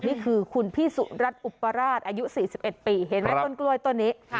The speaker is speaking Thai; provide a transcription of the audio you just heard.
นี่คือคุณพี่สุรัตนอุปราชอายุ๔๑ปีเห็นไหมต้นกล้วยต้นนี้